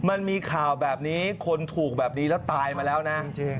มันมีข่าวแบบนี้คนถูกแบบนี้แล้วตายมาแล้วนะจริง